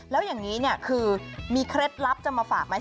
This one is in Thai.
แล้วอย่างนี้เนี่ยคือมีเคล็ดลับจะมาฝากไหม